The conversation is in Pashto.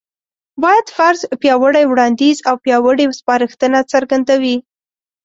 بايد: فرض، پياوړی وړانديځ او پياوړې سپارښتنه څرګندوي